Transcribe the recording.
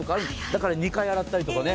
だから２回洗ったりとか。